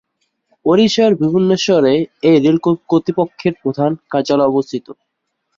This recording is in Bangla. ওড়িশার ভুবনেশ্বরে এই রেল কর্তৃপক্ষের প্রধান কার্যালয় অবস্থিত।